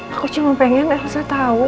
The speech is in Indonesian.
aku cuma pengen elsa tahu